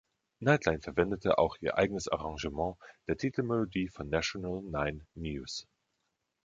„Nightline“ verwendete auch ihr eigenes Arrangement der Titelmelodie von „National Nine News“.